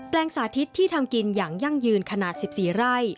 สาธิตที่ทำกินอย่างยั่งยืนขนาด๑๔ไร่